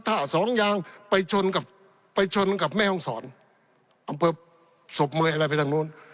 ถ้าสองอย่างไปชนกับแม่ห้องสอนสบเมืองอะไรไปทางโน้น